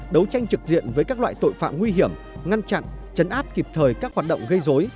đấu tranh trực diện với các loại tội phạm nguy hiểm ngăn chặn chấn áp kịp thời các hoạt động gây dối